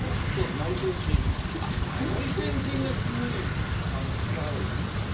内転筋がすごい力がいるんですよ。